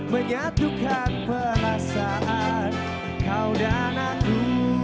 menyatukan perasaan kau dan anakku